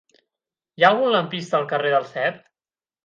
Hi ha algun lampista al carrer del Cep?